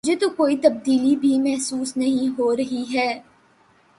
مجھے تو کوئی تبدیلی بھی محسوس نہیں ہو رہی ہے۔